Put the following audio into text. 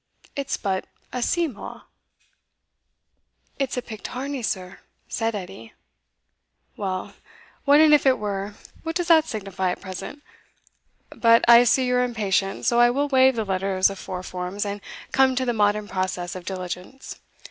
it's but a seamaw." "It's a pictarnie, sir," said Edie. "Well, what an if it were what does that signify at present? But I see you're impatient; so I will waive the letters of four forms, and come to the modern process of diligence.